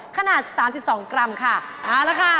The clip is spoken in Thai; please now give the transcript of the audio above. ขนาด๓๒กรัมค่ะ